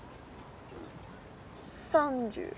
３０。